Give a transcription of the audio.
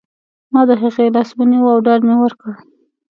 ما د هغې لاس ونیو او ډاډ مې ورکړ